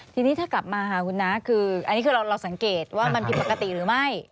ทีนี้ถ้ากลับมาค่ะคุณน้าคืออันนี้คือเราสังเกตว่ามันผิดปกติหรือไม่